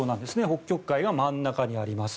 北極海が真ん中にあります。